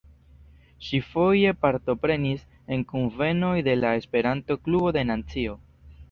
Ŝi foje partoprenis en kunvenoj de la Esperanto-Klubo de Nancio.